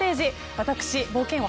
私、冒険王